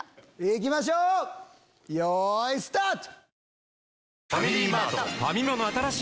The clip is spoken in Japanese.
行きましょうよいスタート！